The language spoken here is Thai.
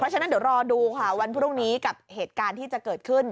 ฉะนั้นเดี๋ยวรอดูค่ะวันพรุ่งนี้กับเหตุการณ์ที่จะเกิดขึ้น